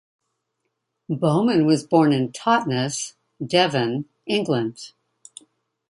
Beauman was born in Totnes, Devon, England.